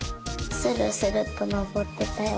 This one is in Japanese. スルスルとのぼってたよ。